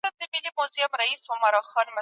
توپيرونه بايد ومنل سي.